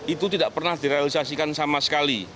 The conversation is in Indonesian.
itu tidak pernah direalisasikan sama sekali